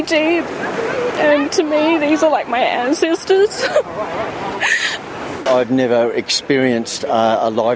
saya tidak pernah mengalami keterlaluan hidup seperti ini sebelumnya